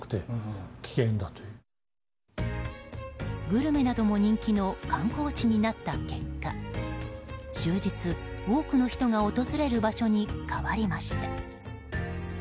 グルメなども人気の観光地になった結果終日、多くの人が訪れる場所に変わりました。